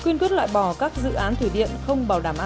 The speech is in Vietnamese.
quyên quyết loại bỏ các dự án thủy điện không bảo đảm an toàn